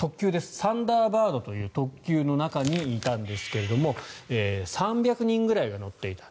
サンダーバードという特急の中にいたんですけども３００人ぐらいが乗っていた。